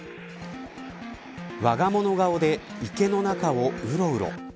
わが物顔で池の中をうろうろ。